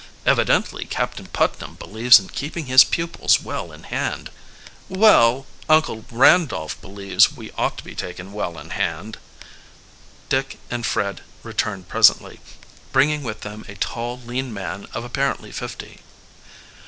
Evidently Captain Putnam believes in keeping his pupils well in hand." "Well, Uncle Randolph believes we ought to be taken well in hand." Dick and Fred returned presently, bringing with them a tall, lean man of apparently fifty.